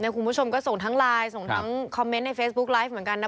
คุณผู้ชมก็ส่งทั้งไลน์ส่งทั้งคอมเมนต์ในเฟซบุ๊กไลฟ์เหมือนกันนะ